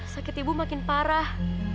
sakit ibu makin parah